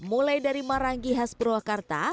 mulai dari marangi khas purwakarta